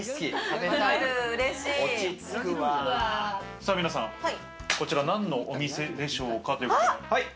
さぁ、皆さん、こちら何のお店でしょうか？ということで。